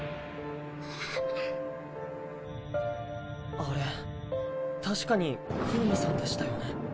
あれ確かにクウミさんでしたよね。